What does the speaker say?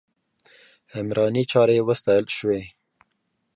عمراني چارې وستایل شوې.